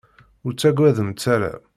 Ur ttagademt ara.